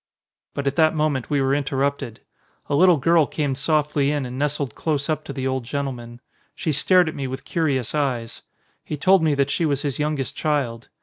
But at that moment we were interrupted. A little girl came softly in and nestled close up to the old gentleman. She stared at me with curious eyes. He told me that she was his youngest child.